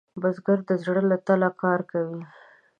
بزګر د زړۀ له تله کار کوي